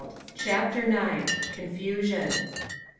CHAPTER IX. CONFUSION.